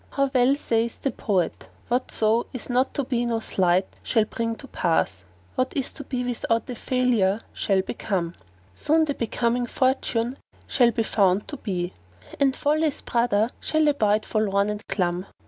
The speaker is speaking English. How well saith the poet, "Whatso is not to be no sleight shall bring to pass; * What is to be without a failure shall become; Soon the becoming fortune shall be found to be, * And Folly's brother[FN#453] shall abide forlorn and glum."